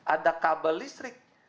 ada kabel listrik